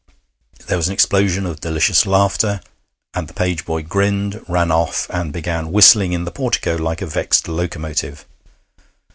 There was an explosion of delicious laughter, and the page boy grinned, ran off, and began whistling in the portico like a vexed locomotive.